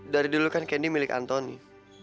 dari dulu kan candie milik antoni